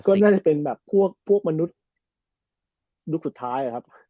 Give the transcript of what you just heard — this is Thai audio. ก็น่าจะเป็นแบบพวกมนุษย์ยุคสุดท้ายครับ